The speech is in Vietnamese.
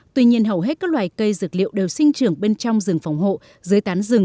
tuy nhiên hầu hết các loài cây dược liệu đều sinh trưởng bên trong rừng phòng hộ dưới tán rừng